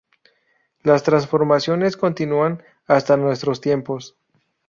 Las transformaciones continúan hasta nuestros tiempos.